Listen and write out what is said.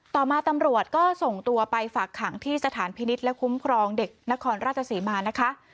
ต่อมาตำรวจก็ส่งตัวไปฝากขังที่สถานพินิษฐ์และคุ้มครองเด็กนครราชศรีมานะคะ